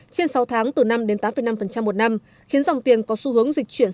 trên sáu tháng từ năm đến tám năm một năm khiến dòng tiền có xu hướng dịch chuyển